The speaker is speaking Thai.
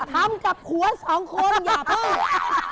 ทำกับผัวสองคนอย่าเพิ่ง